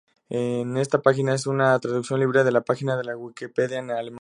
Esta página es una traducción libre de la página de la Wikipedia en alemán,